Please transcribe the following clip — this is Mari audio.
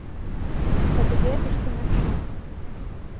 Садыге ыштынем шол.